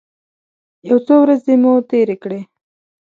یو څو ورځې مو تېرې کړې.